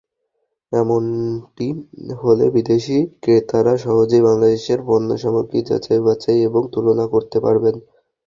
এমনটি হলে বিদেশি ক্রেতারা সহজেই বাংলাদেশের পণ্যসামগ্রী যাচাই-বাছাই এবং তুলনা করতে পারবেন।